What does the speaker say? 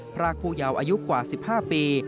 พรากผู้เยาว์อายุกว่า๑๕ปี